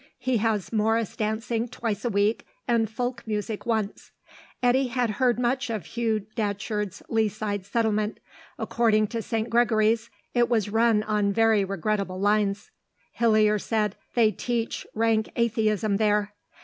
He has morris dancing twice a week and folk music once." Eddy had heard much of Hugh Datcherd's Lea side settlement. According to St. Gregory's, it was run on very regrettable lines. Hillier said, "They teach rank atheism there."